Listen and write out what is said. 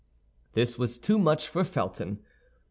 This was too much for Felton.